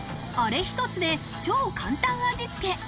あれ一つで超簡単味つけ。